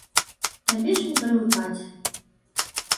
Табе ж не прывыкаць.